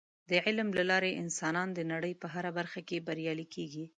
د علم له لارې انسانان د نړۍ په هره برخه کې بریالي کیږي.